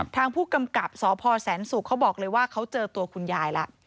ทางผู้กำกับสพแสนศุกร์เขาบอกเลยว่าเขาเจอตัวคุณยายละ